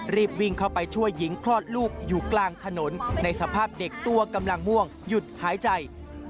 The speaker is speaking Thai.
รีบวิ่งเข้าไปช่วยหญิงคลอดลูกอยู่กลางถนนในสภาพเด็กตัวกำลังม่วงหยุดหายใจ